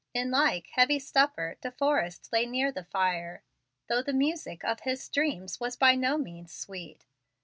In like heavy stupor De Forrest lay near the fire, though the music of his dreams was by no means sweet.